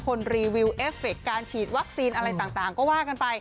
รีวิวเอฟเฟคการฉีดวัคซีนอะไรต่างก็ว่ากันไป